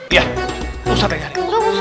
iya usah aja yang nyari